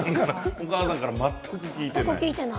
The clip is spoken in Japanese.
お母さんから全く聞いていない。